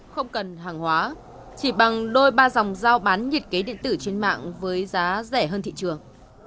không cần hàng hóa chỉ bằng đôi ba dòng giao bán nhiệt kế điện tử trên mạng với giá rẻ hơn thị trường